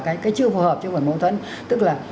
cái chưa phù hợp chưa phải mâu thuẫn tức là